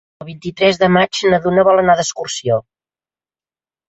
El vint-i-tres de maig na Duna vol anar d'excursió.